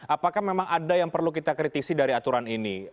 apakah memang ada yang perlu kita kritisi dari aturan ini